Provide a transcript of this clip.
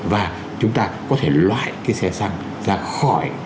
và chúng ta có thể loại cái xe xăng ra khỏi